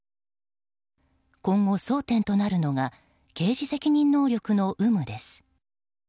今後、争点となるのが刑事責任能力の有無です。